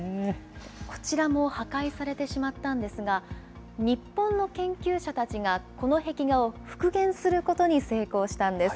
こちらも破壊されてしまったんですが、日本の研究者たちが、この壁画を復元することに成功したんです。